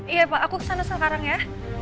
iya pak aku kesana sekarang ya